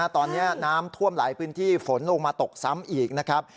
ตอนนี้น้ำท่วมหลายพื้นที่ฝนลงมาตกซ้ำอีกนะครับ